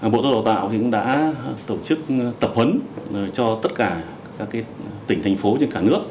bộ giáo dục và đào tạo đã tổ chức tập hấn cho tất cả tỉnh thành phố trên cả nước